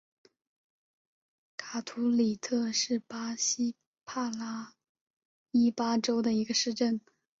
卡图里特是巴西帕拉伊巴州的一个市镇。